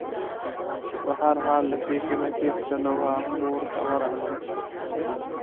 په هر حال له پېښې نه تېښته نه وه مور ته ورغلم.